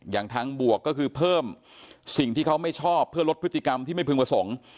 อย่างทางบวกก็คือเพิ่มสิ่งที่เขาไม่ชอบเพื่อลดพฤติกรรมที่ไม่พึงประสงค์